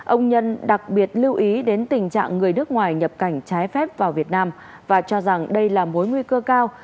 ông nhân đặc biệt lưu ý đến tình trạng người nước ngoài nhập cảnh trái phép vào việt nam và cho rằng đây là mối nguy cơ cao